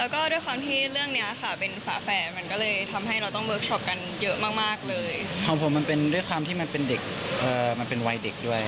ความผมมันเป็นด้วยความที่มันเป็นเด็กมันเป็นวัยเด็กด้วย